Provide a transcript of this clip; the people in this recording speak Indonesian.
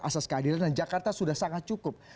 asas keadilan dan jakarta sudah sangat cukup